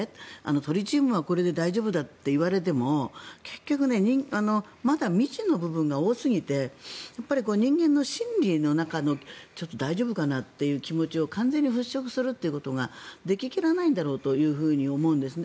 トリチウムはこれで大丈夫だと言われても結局、まだ未知の部分が多すぎて人間の心理の中の大丈夫かな？という気持ちを完全に払しょくすることができ切らないんだろうと思うんですね。